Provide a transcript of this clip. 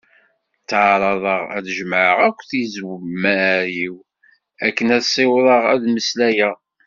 Tteɛraḍeɣ ad d-jemmɛeɣ akk tizemmar-iw akken ad ssiwḍeɣ ad d-mmeslayeɣ.